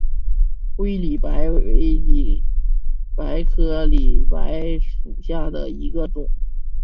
灰里白为里白科里白属下的一个种。